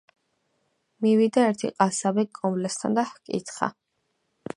მივიდა ერთი ყასაბი კომბლესთან და ჰკითხა: